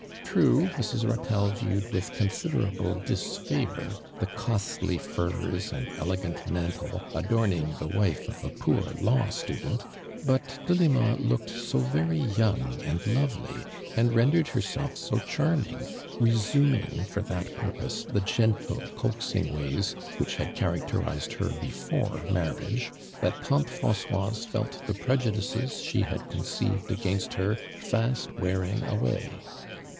True. ]Mr8. Ratelle viewed with considerable dis favor the costly fura and elegant mantle adorning the wife of a poor law student, but Delima looked so veryyoung and lovely and rendered herself so charming, resuming for that purpose the gentle coaxing ways which had characterized her before mar riage, that tante Francoise felt the prejudices she had conceived against her, fast wearing iiway.